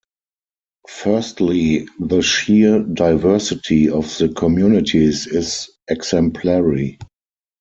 Firstly, the sheer diversity of the communities is exemplary.